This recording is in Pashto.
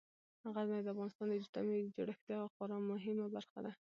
غزني د افغانستان د اجتماعي جوړښت یوه خورا مهمه برخه ده.